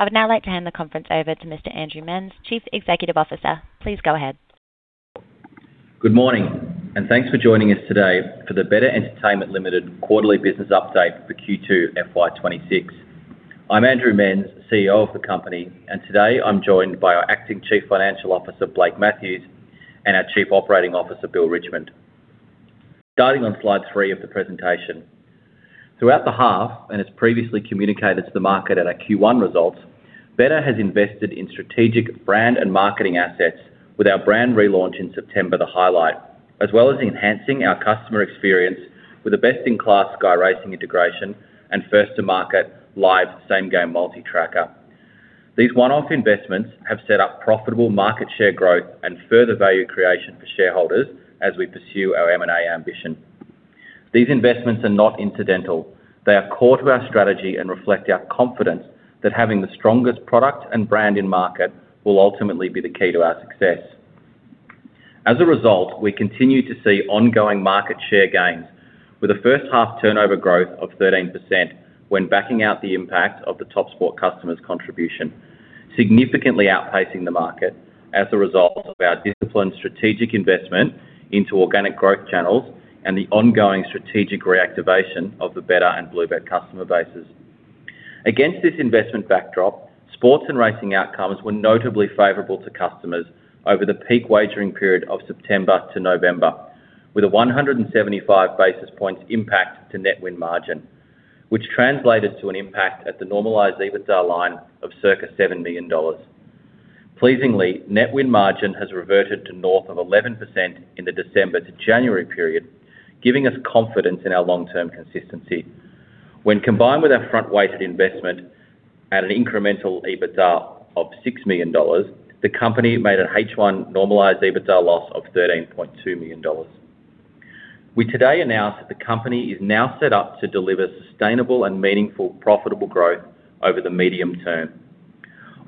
I would now like to hand the conference over to Mr. Andrew Menz, Chief Executive Officer. Please go ahead. Good morning, and thanks for joining us today for the betr Entertainment Limited quarterly business update for Q2 FY 2026. I'm Andrew Menz, CEO of the company, and today I'm joined by our acting Chief Financial Officer, Blake Matthews, and our Chief Operating Officer, Bill Richmond. Starting on slide three of the presentation. Throughout the half, and as previously communicated to the market at our Q1 results, betr has invested in strategic brand and marketing assets with our brand relaunch in September, the highlight, as well as enhancing our customer experience with a best-in-class Sky Racing integration and first-to-market Live Same-Game Multi-Tracker. These one-off investments have set up profitable market share growth and further value creation for shareholders as we pursue our M&A ambition. These investments are not incidental. They are core to our strategy and reflect our confidence that having the strongest product and brand in market will ultimately be the key to our success. As a result, we continue to see ongoing market share gains with a first half turnover growth of 13% when backing out the impact of the TopSport customers' contribution, significantly outpacing the market as a result of our disciplined strategic investment into organic growth channels and the ongoing strategic reactivation of the betr and BlueBet customer bases. Against this investment backdrop, sports and racing outcomes were notably favorable to customers over the peak wagering period of September to November, with a 175 basis points impact to net win margin, which translated to an impact at the normalized EBITDA line of circa 7 million dollars. Pleasingly, net win margin has reverted to north of 11% in the December to January period, giving us confidence in our long-term consistency. When combined with our front-weighted investment at an incremental EBITDA of 6 million dollars, the company made an H1 normalized EBITDA loss of 13.2 million dollars. We today announce that the company is now set up to deliver sustainable and meaningful, profitable growth over the medium term.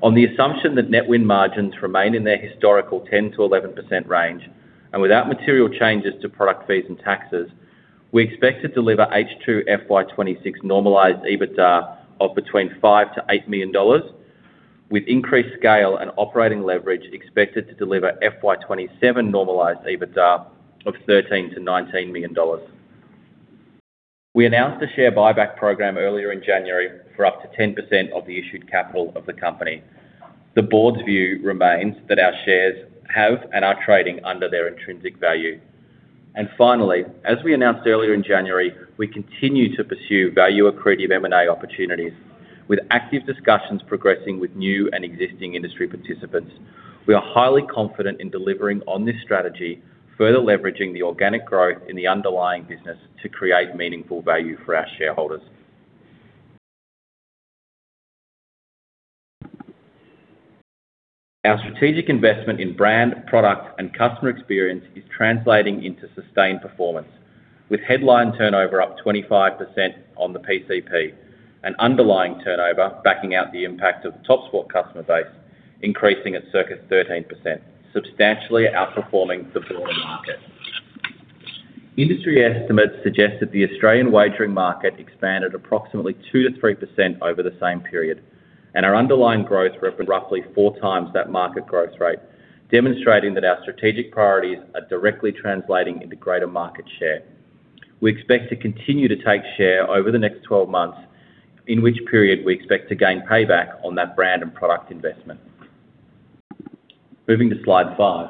On the assumption that net win margins remain in their historical 10%-11% range, and without material changes to product fees and taxes, we expect to deliver H2 FY 2026 normalized EBITDA of between 5 million-8 million dollars, with increased scale and operating leverage expected to deliver FY 2027 normalized EBITDA of AUD 13 million-AUD 19 million. We announced the share buyback program earlier in January for up to 10% of the issued capital of the company. The board's view remains that our shares have and are trading under their intrinsic value. And finally, as we announced earlier in January, we continue to pursue value-accretive M&A opportunities with active discussions progressing with new and existing industry participants. We are highly confident in delivering on this strategy, further leveraging the organic growth in the underlying business to create meaningful value for our shareholders. Our strategic investment in brand, product, and customer experience is translating into sustained performance, with headline turnover up 25% on the PCP and underlying turnover, backing out the impact of the TopSport customer base, increasing at circa 13%, substantially outperforming the broader market. Industry estimates suggest that the Australian wagering market expanded approximately 2%-3% over the same period, and our underlying growth for roughly four times that market growth rate, demonstrating that our strategic priorities are directly translating into greater market share. We expect to continue to take share over the next 12 months, in which period we expect to gain payback on that brand and product investment. Moving to Slide 5.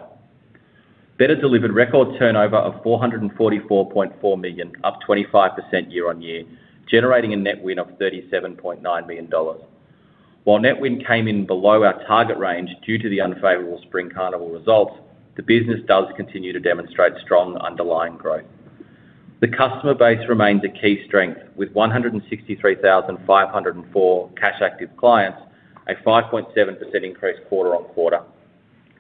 betr delivered record turnover of 444.4 million, up 25% year-on-year, generating a net win of 37.9 million dollars. While net win came in below our target range due to the unfavorable Spring Carnival results, the business does continue to demonstrate strong underlying growth. The customer base remains a key strength, with 163,504 cash-active clients, a 5.7% increase quarter-on-quarter.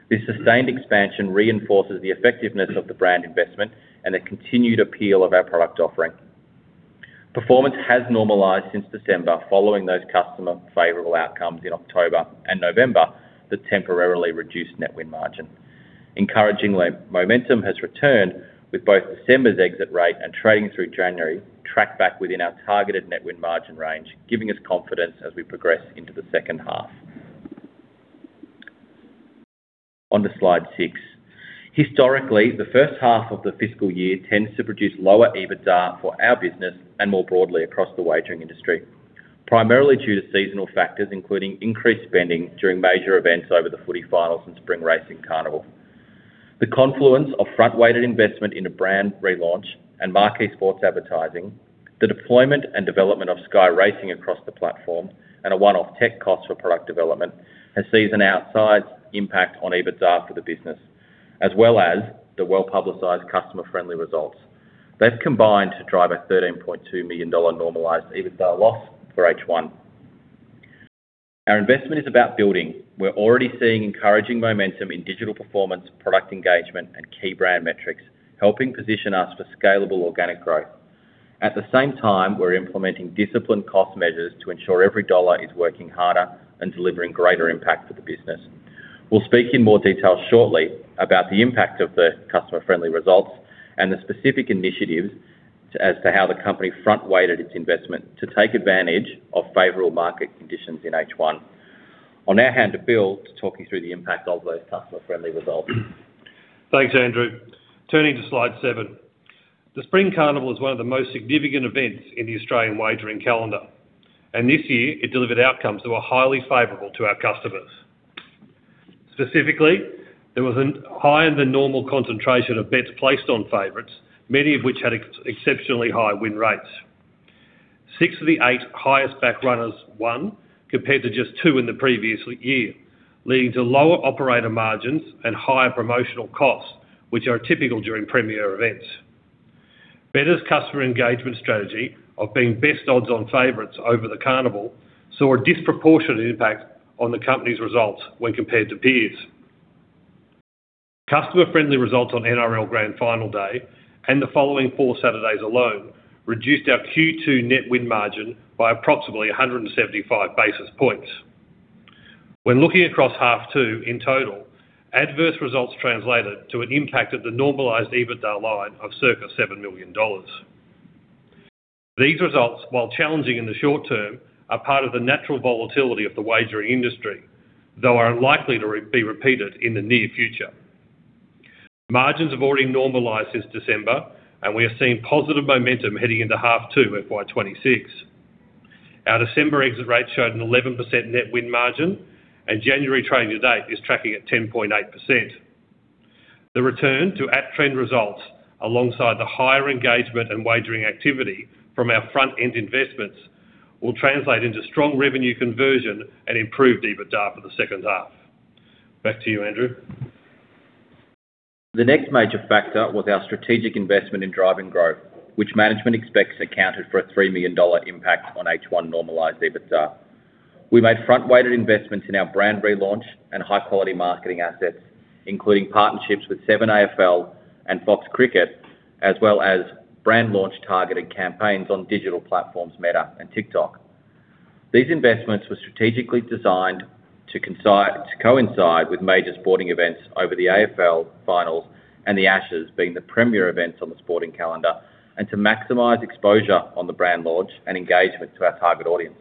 This sustained expansion reinforces the effectiveness of the brand investment and the continued appeal of our product offering. Performance has normalized since December, following those customer favorable outcomes in October and November, that temporarily reduced net win margin. Encouragingly, momentum has returned, with both December's exit rate and trading through January, tracked back within our targeted net win margin range, giving us confidence as we progress into the second half. On to Slide 6. Historically, the first half of the fiscal year tends to produce lower EBITDA for our business and more broadly across the wagering industry, primarily due to seasonal factors, including increased spending during major events over the Footy Finals and Spring Racing Carnival. The confluence of front-weighted investment in a brand relaunch and marquee sports advertising, the deployment and development of Sky Racing across the platform, and a one-off tech cost for product development, has seen an outsized impact on EBITDA for the business, as well as the well-publicized customer-friendly results. Those combined to drive a 13.2 million dollar normalized EBITDA loss for H1. Our investment is about building. We're already seeing encouraging momentum in digital performance, product engagement, and key brand metrics, helping position us for scalable organic growth. At the same time, we're implementing disciplined cost measures to ensure every dollar is working harder and delivering greater impact for the business.... We'll speak in more detail shortly about the impact of the customer-friendly results and the specific initiatives to, as to how the company front-weighted its investment to take advantage of favorable market conditions in H1. I'll now hand to Bill to talk you through the impact of those customer-friendly results. Thanks, Andrew. Turning to Slide 7. The Spring Carnival is one of the most significant events in the Australian wagering calendar, and this year it delivered outcomes that were highly favorable to our customers. Specifically, there was a higher than normal concentration of bets placed on favorites, many of which had exceptionally high win rates. Six of the eight highest backed runners won, compared to just two in the previous year, leading to lower operator margins and higher promotional costs, which are typical during premier events. betr's customer engagement strategy of being best odds on favorites over the carnival, saw a disproportionate impact on the company's results when compared to peers. Customer-friendly results on NRL Grand Final day and the following four Saturdays alone, reduced our Q2 net win margin by approximately 175 basis points. When looking across half two in total, adverse results translated to an impact at the normalized EBITDA line of circa 7 million dollars. These results, while challenging in the short term, are part of the natural volatility of the wagering industry, though are unlikely to be repeated in the near future. Margins have already normalized since December, and we are seeing positive momentum heading into H2 FY 2026. Our December exit rate showed an 11% net win margin, and January trade to date is tracking at 10.8%. The return to at-trend results, alongside the higher engagement and wagering activity from our front-end investments, will translate into strong revenue conversion and improved EBITDA for the second half. Back to you, Andrew. The next major factor was our strategic investment in driving growth, which management expects accounted for an 3 million dollar impact on H1 normalized EBITDA. We made front-weighted investments in our brand relaunch and high-quality marketing assets, including partnerships with Seven, AFL, and Fox Cricket, as well as brand launch targeted campaigns on digital platforms, Meta, and TikTok. These investments were strategically designed to coincide with major sporting events over the AFL finals and the Ashes, being the premier events on the sporting calendar, and to maximize exposure on the brand launch and engagement to our target audience.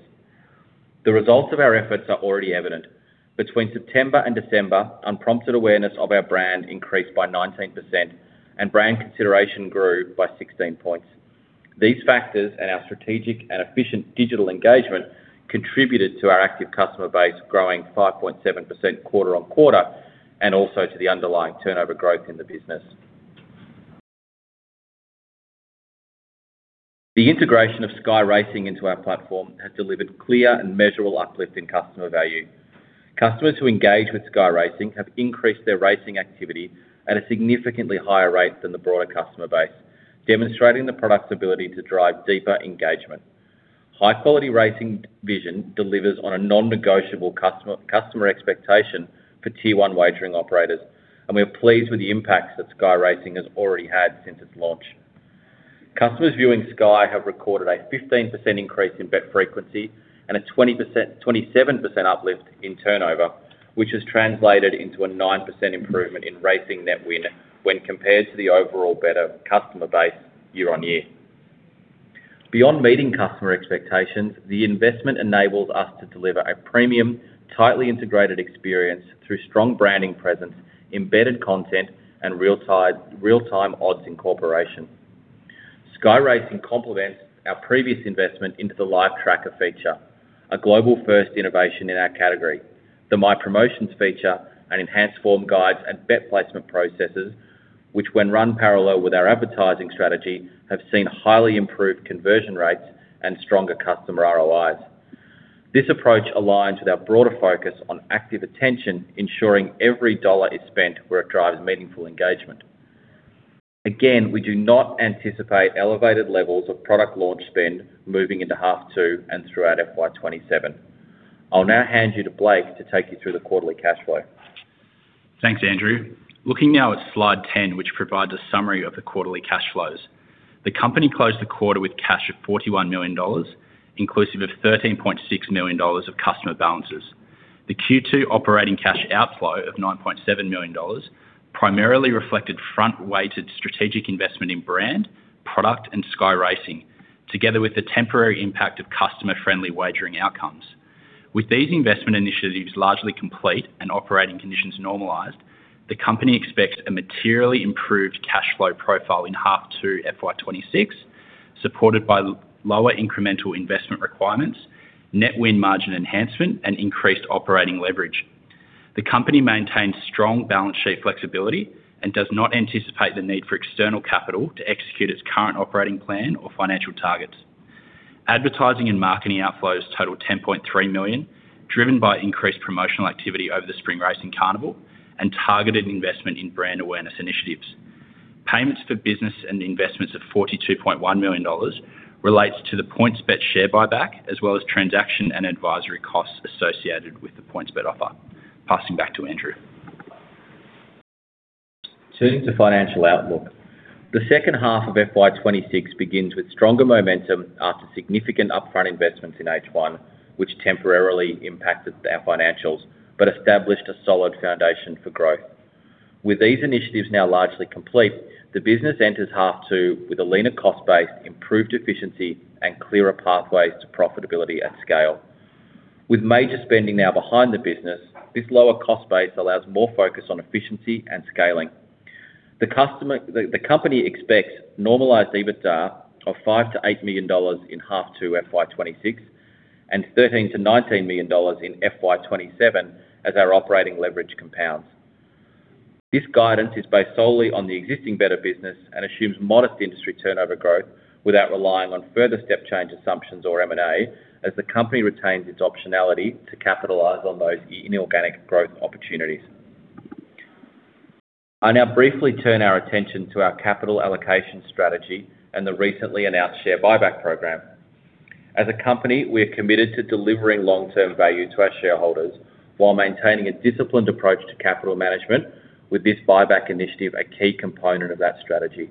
The results of our efforts are already evident. Between September and December, unprompted awareness of our brand increased by 19%, and brand consideration grew by 16 points. These factors, and our strategic and efficient digital engagement, contributed to our active customer base growing 5.7% quarter-on-quarter, and also to the underlying turnover growth in the business. The integration of Sky Racing into our platform has delivered clear and measurable uplift in customer value. Customers who engage with Sky Racing have increased their racing activity at a significantly higher rate than the broader customer base, demonstrating the product's ability to drive deeper engagement. High-quality racing vision delivers on a non-negotiable customer expectation for tier one wagering operators, and we are pleased with the impacts that Sky Racing has already had since its launch. Customers viewing Sky have recorded a 15% increase in bet frequency and a 27% uplift in turnover, which has translated into a 9% improvement in racing net win when compared to the overall betr customer base year-on-year. Beyond meeting customer expectations, the investment enables us to deliver a premium, tightly integrated experience through strong branding presence, embedded content, and real-time odds incorporation. Sky Racing complements our previous investment into the Live Tracker feature, a global first innovation in our category. The My Promotions feature and enhanced form guides and bet placement processes, which when run parallel with our advertising strategy, have seen highly improved conversion rates and stronger customer ROIs. This approach aligns with our broader focus on active attention, ensuring every dollar is spent where it drives meaningful engagement. Again, we do not anticipate elevated levels of product launch spend moving into half two and throughout FY 2027. I'll now hand you to Blake to take you through the quarterly cash flow. Thanks, Andrew. Looking now at Slide 10, which provides a summary of the quarterly cash flows. The company closed the quarter with cash of AUD 41 million, inclusive of AUD 13.6 million of customer balances. The Q2 operating cash outflow of AUD 9.7 million, primarily reflected front-weighted strategic investment in brand, product, and Sky Racing, together with the temporary impact of customer-friendly wagering outcomes. With these investment initiatives largely complete and operating conditions normalized, the company expects a materially improved cash flow profile in half two FY 2026, supported by lower incremental investment requirements, net win margin enhancement, and increased operating leverage. The company maintains strong balance sheet flexibility and does not anticipate the need for external capital to execute its current operating plan or financial targets. Advertising and marketing outflows total 10.3 million, driven by increased promotional activity over the Spring Racing Carnival and targeted investment in brand awareness initiatives. Payments for business and investments of 42.1 million dollars relates to the PointsBet share buyback, as well as transaction and advisory costs associated with the PointsBet offer. Passing back to Andrew. Turning to financial outlook. The second half of FY 2026 begins with stronger momentum after significant upfront investments in H1, which temporarily impacted our financials, but established a solid foundation for growth. With these initiatives now largely complete, the business enters half two with a leaner cost base, improved efficiency, and clearer pathways to profitability at scale. With major spending now behind the business, this lower cost base allows more focus on efficiency and scaling. The company expects normalized EBITDA of 5 million-8 million dollars in half two FY 2026, and 13 million-19 million dollars in FY 2027 as our operating leverage compounds. This guidance is based solely on the existing betr business and assumes modest industry turnover growth without relying on further step change assumptions or M&A, as the company retains its optionality to capitalize on those inorganic growth opportunities. I now briefly turn our attention to our capital allocation strategy and the recently announced share buyback program. As a company, we are committed to delivering long-term value to our shareholders while maintaining a disciplined approach to capital management, with this buyback initiative a key component of that strategy.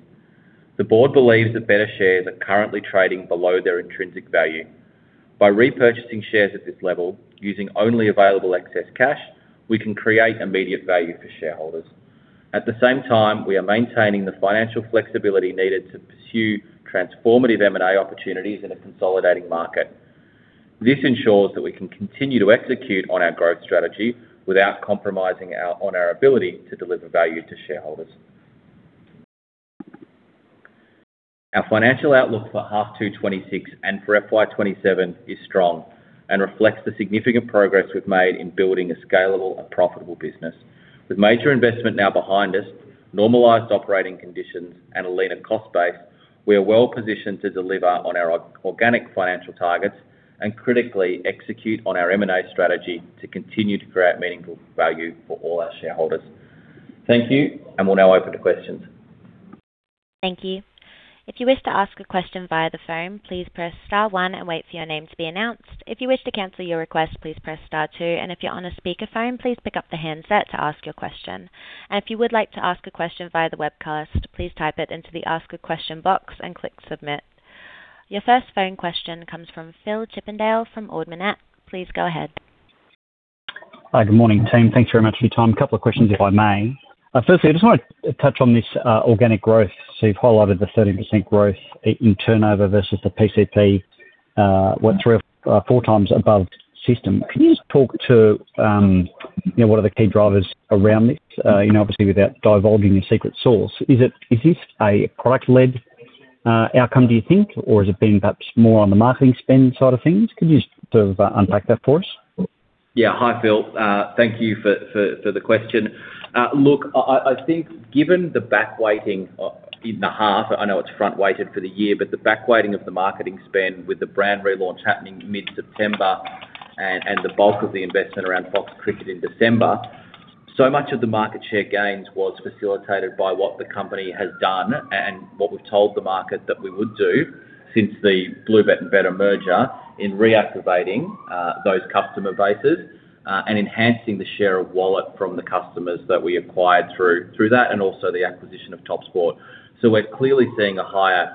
The board believes that betr shares are currently trading below their intrinsic value. By repurchasing shares at this level, using only available excess cash, we can create immediate value for shareholders. At the same time, we are maintaining the financial flexibility needed to pursue transformative M&A opportunities in a consolidating market. This ensures that we can continue to execute on our growth strategy without compromising on our ability to deliver value to shareholders. Our financial outlook for H2 2026 and for FY 2027 is strong and reflects the significant progress we've made in building a scalable and profitable business. With major investment now behind us, normalized operating conditions and a leaner cost base, we are well positioned to deliver on our organic financial targets and critically execute on our M&A strategy to continue to create meaningful value for all our shareholders. Thank you, and we'll now open to questions. Thank you. If you wish to ask a question via the phone, please press star one and wait for your name to be announced. If you wish to cancel your request, please press star two, and if you're on a speakerphone, please pick up the handset to ask your question. And if you would like to ask a question via the webcast, please type it into the Ask a Question box and click Submit. Your first phone question comes from Phil Chippendale from Ord Minnett. Please go ahead. Hi, good morning, team. Thanks very much for your time. A couple of questions, if I may. Firstly, I just want to touch on this, organic growth. So you've highlighted the 13% growth in turnover versus the PCP, what, three or four times above system. Can you just talk to, you know, what are the key drivers around this? You know, obviously, without divulging your secret sauce. Is it- is this a product-led, outcome, do you think? Or has it been perhaps more on the marketing spend side of things? Could you just sort of unpack that for us? Yeah. Hi, Phil. Thank you for the question. Look, I think given the back weighting in the half, I know it's front weighted for the year, but the back weighting of the marketing spend with the brand relaunch happening mid-September and the bulk of the investment around Fox Cricket in December, so much of the market share gains was facilitated by what the company has done and what we've told the market that we would do since the BlueBet and betr merger in reactivating those customer bases and enhancing the share of wallet from the customers that we acquired through that, and also the acquisition of TopSport. So we're clearly seeing a higher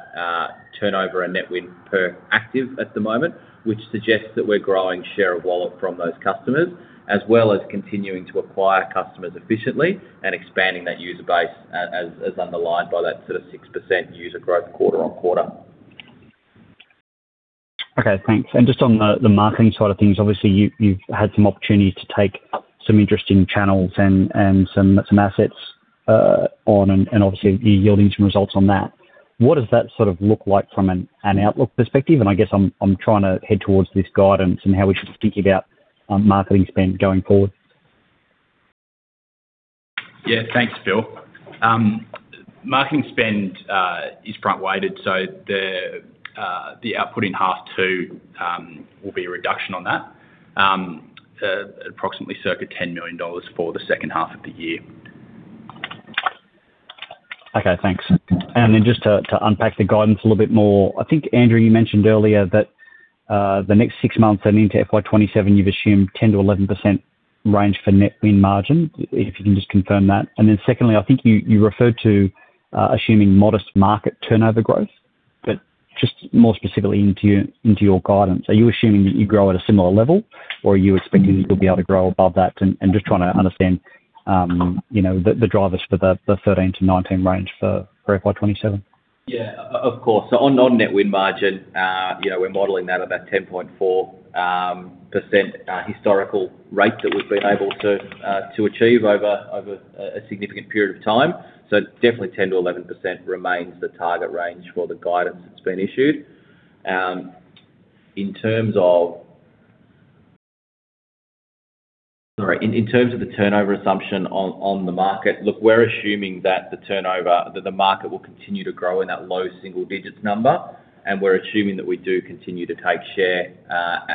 turnover and net win per active at the moment, which suggests that we're growing share of wallet from those customers, as well as continuing to acquire customers efficiently and expanding that user base as underlined by that sort of 6% user growth quarter-on-quarter. Okay, thanks. Just on the marketing side of things, obviously, you've had some opportunities to take some interesting channels and some assets on, and obviously you're yielding some results on that. What does that sort of look like from an outlook perspective? I guess I'm trying to head towards this guidance and how we should think about marketing spend going forward. Yeah. Thanks, Phil. Marketing spend is front-weighted, so the output in half two will be a reduction on that, approximately circa 10 million dollars for the second half of the year. Okay, thanks. And then just to unpack the guidance a little bit more, I think, Andrew, you mentioned earlier that the next six months and into FY 2027, you've assumed 10%-11% range for net win margin, if you can just confirm that. And then secondly, I think you referred to assuming modest market turnover growth, but just more specifically into your guidance, are you assuming that you grow at a similar level, or are you expecting you'll be able to grow above that? And just trying to understand, you know, the drivers for the 13-19 range for FY 2027. Yeah, of course. So on normalized net win margin, you know, we're modeling that at that 10.4% historical rate that we've been able to achieve over a significant period of time. So definitely 10%-11% remains the target range for the guidance that's been issued. In terms of... Sorry, in terms of the turnover assumption on the market, look, we're assuming that the market will continue to grow in that low single digits number, and we're assuming that we do continue to take share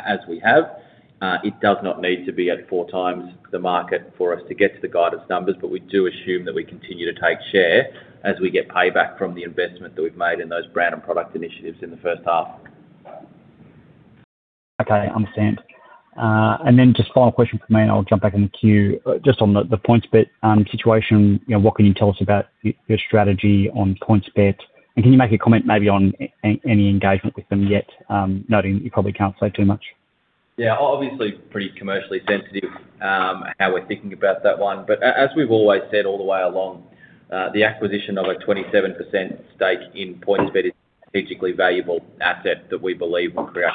as we have. It does not need to be at 4x the market for us to get to the guidance numbers, but we do assume that we continue to take share as we get payback from the investment that we've made in those brand and product initiatives in the first half. Okay, I understand. And then just final question for me, and I'll jump back in the queue. Just on the PointsBet situation, you know, what can you tell us about your strategy on PointsBet? And can you make a comment maybe on any engagement with them yet, noting that you probably can't say too much? Yeah, obviously, pretty commercially sensitive, how we're thinking about that one. But as we've always said all the way along, the acquisition of a 27% stake in PointsBet is a strategically valuable asset that we believe will create,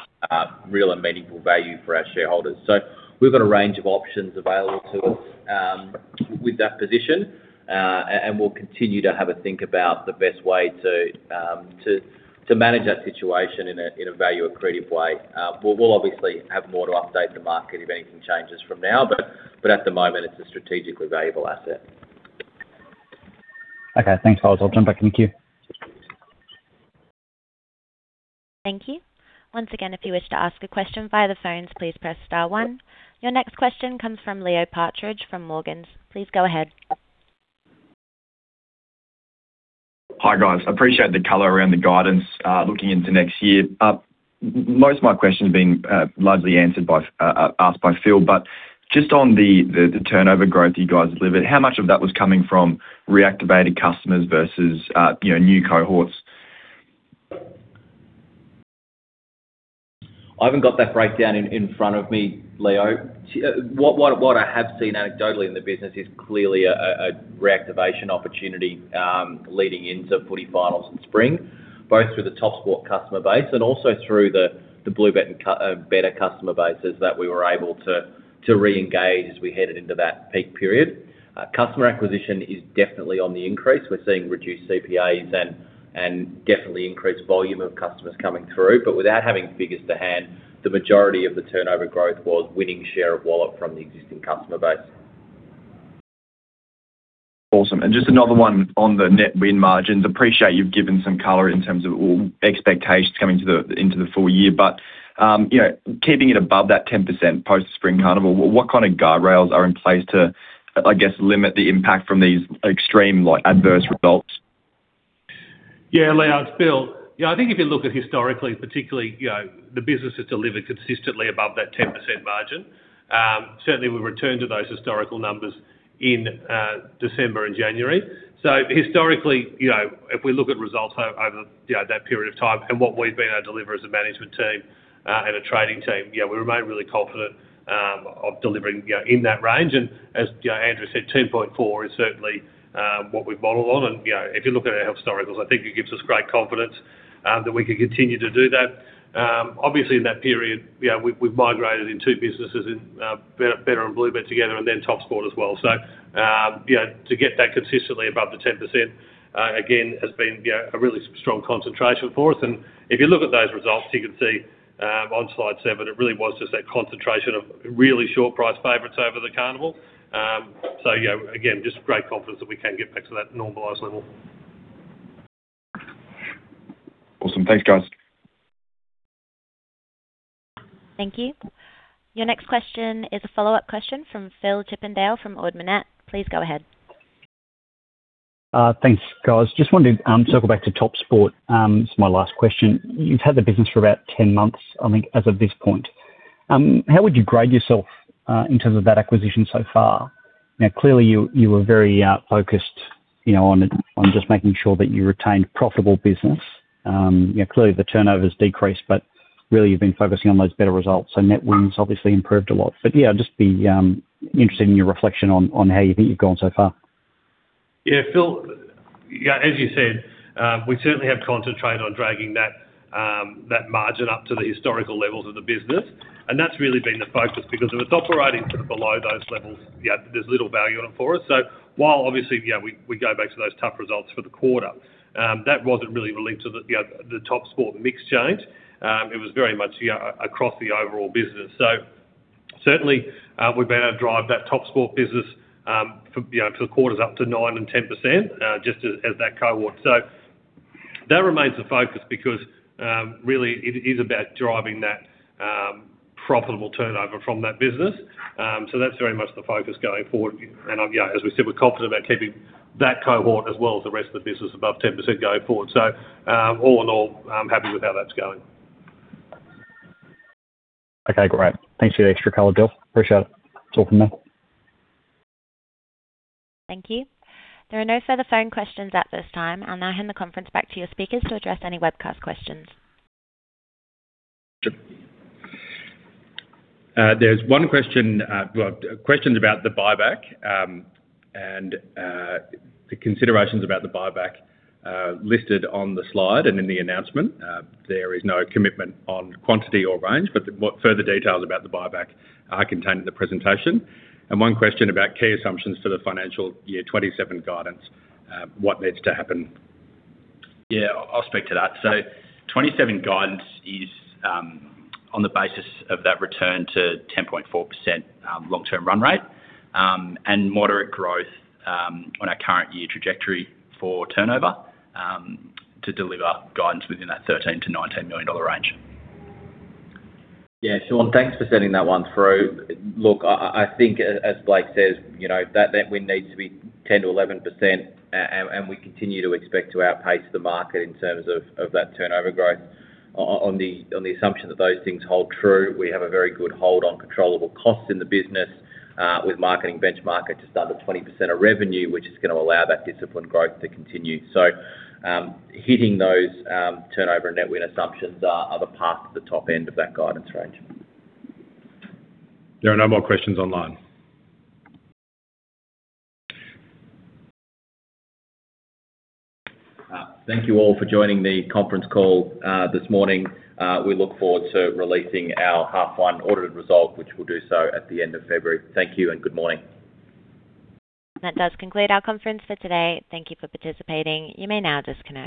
real and meaningful value for our shareholders. So we've got a range of options available to us, with that position, and we'll continue to have a think about the best way to, to manage that situation in a, in a value-accretive way. But we'll obviously have more to update the market if anything changes from now, but at the moment, it's a strategically valuable asset. Okay. Thanks, guys. I'll jump back in the queue. Thank you. Once again, if you wish to ask a question via the phones, please press star one. Your next question comes from Leo Partridge from Morgans. Please go ahead. Hi, guys. I appreciate the color around the guidance, looking into next year. Most of my questions are being largely answered by Phil, but just on the turnover growth you guys delivered, how much of that was coming from reactivated customers versus, you know, new cohorts? I haven't got that breakdown in front of me, Leo. What I have seen anecdotally in the business is clearly a reactivation opportunity leading into Footy Finals in spring, both through the TopSport customer base and also through the BlueBet and betr customer bases that we were able to reengage as we headed into that peak period. Customer acquisition is definitely on the increase. We're seeing reduced CPAs and definitely increased volume of customers coming through, but without having figures to hand, the majority of the turnover growth was winning share of wallet from the existing customer base. Awesome. And just another one on the net win margins. Appreciate you've given some color in terms of expectations coming to the, into the full year, but, you know, keeping it above that 10% post-Spring Carnival, what kind of guardrails are in place to, I guess, limit the impact from these extreme, like, adverse results? Yeah, Leo, it's Bill. Yeah, I think if you look at historically, particularly, you know, the business has delivered consistently above that 10% margin. Certainly, we returned to those historical numbers in December and January. So historically, you know, if we look at results over, you know, that period of time and what we've been able to deliver as a management team and a trading team, yeah, we remain really confident of delivering, you know, in that range. And as, you know, Andrew said, 10.4 is certainly what we've modeled on, and, you know, if you look at our historicals, I think it gives us great confidence that we can continue to do that. Obviously, in that period, you know, we've migrated in two businesses in betr and BlueBet together, and then TopSport as well. So, you know, to get that consistently above the 10%, again, has been, you know, a really strong concentration for us, and if you look at those results, you can see, on slide 7, it really was just that concentration of really short price favorites over the carnival. So, you know, again, just great confidence that we can get back to that normalized level. Awesome. Thanks, guys. Thank you. Your next question is a follow-up question from Phil Chippendale from Ord Minnett. Please go ahead. Thanks, guys. Just wanted to circle back to TopSport. This is my last question. You've had the business for about 10 months, I think, as of this point. How would you grade yourself in terms of that acquisition so far? Now, clearly, you were very focused, you know, on just making sure that you retained profitable business. You know, clearly the turnover's decreased, but really you've been focusing on those better results, so net wins obviously improved a lot. But yeah, just be interested in your reflection on how you think you've gone so far. Yeah, Phil, yeah, as you said, we certainly have concentrated on dragging that margin up to the historical levels of the business, and that's really been the focus, because if it's operating below those levels, yeah, there's little value in it for us. So while obviously, you know, we go back to those tough results for the quarter, that wasn't really related to the TopSport mix change, it was very much, yeah, across the overall business. So certainly, we've been able to drive that TopSport business, you know, for the quarters up to 9% and 10%, just as that cohort. So that remains the focus because, really it is about driving that profitable turnover from that business. So that's very much the focus going forward. Yeah, as we said, we're confident about keeping that cohort, as well as the rest of the business, above 10% going forward. All in all, I'm happy with how that's going. Okay, great. Thanks for the extra color, Phil. Appreciate it. That's all from me. Thank you. There are no further phone questions at this time. I'll now hand the conference back to your speakers to address any webcast questions. Sure. There's one question, well, questions about the buyback, and the considerations about the buyback listed on the slide and in the announcement. There is no commitment on quantity or range, but what further details about the buyback are contained in the presentation? One question about key assumptions for the financial year 2027 guidance, what needs to happen? Yeah, I'll speak to that. So 2027 guidance is on the basis of that return to 10.4%, long-term run rate, and moderate growth on our current year trajectory for turnover to deliver guidance within that 13 million-19 million dollar range. Yeah, Sean, thanks for sending that one through. Look, I think as Blake says, you know, that net win needs to be 10%-11%, and we continue to expect to outpace the market in terms of that turnover growth. On the assumption that those things hold true, we have a very good hold on controllable costs in the business, with marketing benchmark at just under 20% of revenue, which is gonna allow that disciplined growth to continue. So, hitting those turnover and net win assumptions are the path to the top end of that guidance range. There are no more questions online. Thank you all for joining the conference call this morning. We look forward to releasing our half one audited result, which we'll do so at the end of February. Thank you and good morning. That does conclude our conference for today. Thank you for participating. You may now disconnect.